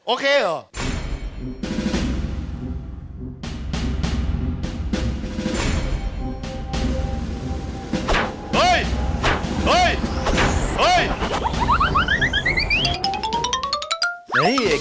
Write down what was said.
โอเคเหรอ